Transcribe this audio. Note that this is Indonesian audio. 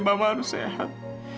mama harus sehat